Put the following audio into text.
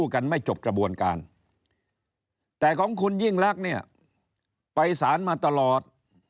คุณยิ่งลักษณ์ไปสารมาตลอด